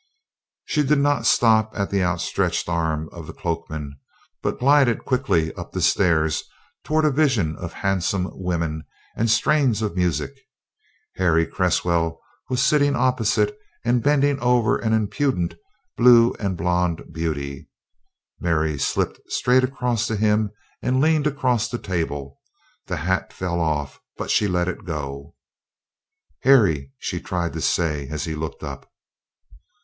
She did not stop at the outstretched arm of the cloakman, but glided quickly up the stairs toward a vision of handsome women and strains of music. Harry Cresswell was sitting opposite and bending over an impudent blue and blonde beauty. Mary slipped straight across to him and leaned across the table. The hat fell off, but she let it go. "Harry!" she tried to say as he looked up.